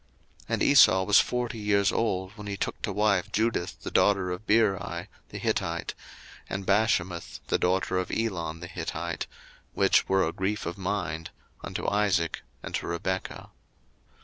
01:026:034 And Esau was forty years old when he took to wife Judith the daughter of Beeri the Hittite, and Bashemath the daughter of Elon the Hittite: 01:026:035 Which were a grief of mind unto Isaac and to Rebekah.